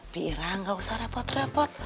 bira enggak usah repot repot